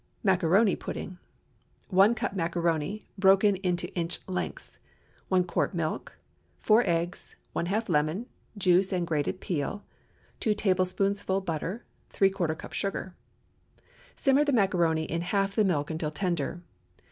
MACARONI PUDDING. ✠ 1 cup macaroni broken into inch lengths. 1 quart milk. 4 eggs. ½ lemon—juice and grated peel. 2 tablespoonfuls butter. ¾ cup sugar. Simmer the macaroni in half the milk until tender.